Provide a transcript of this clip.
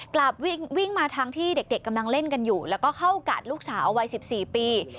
กลับวิ่งมาทางที่เด็กกำลังเล่นกันอยู่แล้วก็เข้ากัดลูกสาววัย๑๔ปี